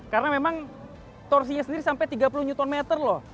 karena memang torsinya sendiri sampai tiga puluh nm loh